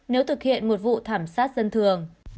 nếu thực hiện một vụ thảm sát dân thường